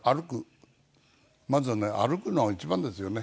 まずはね歩くのが一番ですよね。